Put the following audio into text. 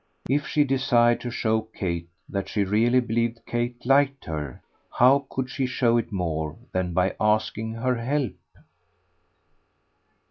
If she desired to show Kate that she really believed Kate liked her, how could she show it more than by asking her help?